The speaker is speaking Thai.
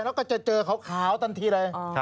แล้วก็จะเจอขาวทันทีเลย